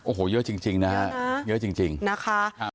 โอ้โหเยอะจริงนะฮะเยอะจริงนะคะ